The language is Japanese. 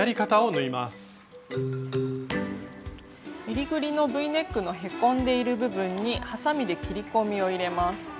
えりぐりのＶネックのへこんでいる部分にはさみで切り込みを入れます。